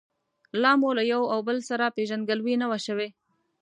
لا مو له یو او بل سره پېژندګلوي نه وه شوې.